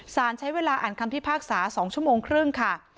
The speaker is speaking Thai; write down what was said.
สารใช้เวลาอ่านคำพิพากษา๒ชั่วโมงครึ่งค่ะ